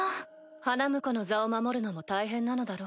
花婿の座を守るのも大変なのだろう。